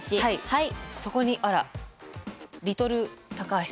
はい。